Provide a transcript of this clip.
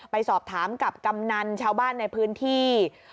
ไปสอบถามกับกำนันชาวบ้านในพื้นที่